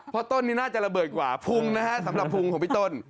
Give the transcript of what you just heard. เพราะต้นนี้น่าจะระเบิดกว่าพุงนะฮะสำหรับพุงของพี่ต้น